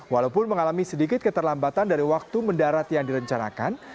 walaupun mengalami sedikit keterlambatan dari waktu mendarat yang direncanakan